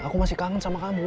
aku masih kangen sama kamu